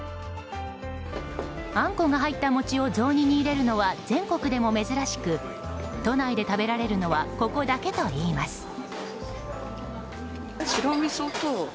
あんこが入った餅を雑煮に入れるのは全国でも珍しく都内で食べられるのはここだけといいます。